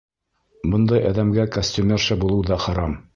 Бындай әҙәмгә костюмерша булыу ҙа харам!